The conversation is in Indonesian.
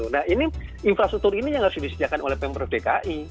nah ini infrastruktur ini yang harus disediakan oleh pemprov dki